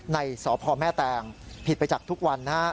ในสอบภอมแม่แตงผิดไปจากทุกวัน